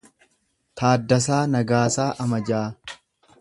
Taaddasaa Nagaasaa Amajaa